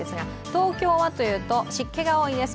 東京はというと湿気が多いです。